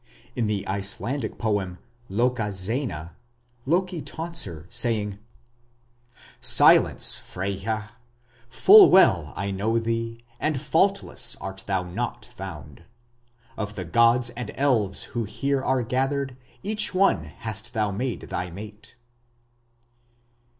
In the Icelandic poem "Lokasenna", Loki taunts her, saying: Silence, Freyja! Full well I know thee, And faultless art thou not found; Of the gods and elves who here are gathered Each one hast thou made thy mate.